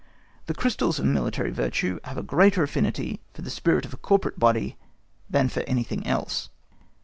The crystals of military virtue have a greater affinity for the spirit of a corporate body than for anything else.